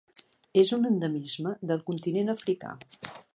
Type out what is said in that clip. És un endemisme del continent africà.